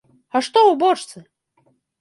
А што ў бочцы?